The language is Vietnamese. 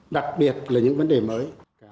đặc biệt là những vấn đề mới